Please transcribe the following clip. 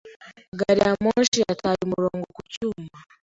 Gari ya moshi yataye umurongo ku cyuma.